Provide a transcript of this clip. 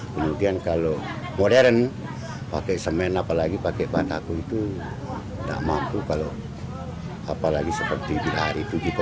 kemudian kalau modern pakai semen apalagi pakai bantaku itu tidak mampu kalau apalagi seperti di hari itu